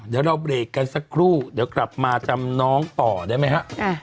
เดี๋ยวเราเบรกกันสักครู่เดี๋ยวกลับมาจำน้องต่อได้ไหมฮะ